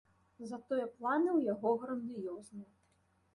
Затое планы ў яго грандыёзныя.